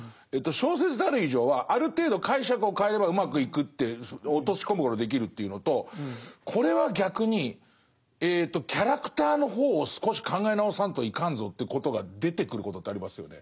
小説である以上はある程度解釈を変えればうまくいくって落とし込むことできるというのとこれは逆にキャラクターの方を少し考え直さんといかんぞということが出てくることってありますよね？